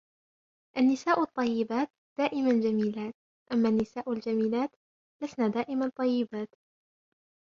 النساء الطيبات دائما جميلات, أما النساء الجميلات لسن دائما طيبات.